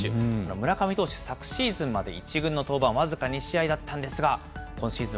村上投手、昨シーズンまで１軍の登板、僅か２試合だったんですが、今シーズン